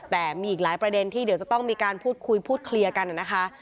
แต่มีอีกหลายประเด็นที่เดี๋ยวจะต้องมีการพูดคุยพูดเคลียร์กันนะคะ